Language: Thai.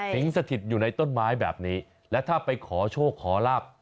สถิตอยู่ในต้นไม้แบบนี้และถ้าไปขอโชคขอลาบ